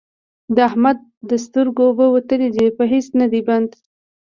د احمد د سترګو اوبه وتلې دي؛ په هيڅ نه دی بند،